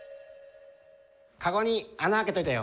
カゴに穴開けといたよ。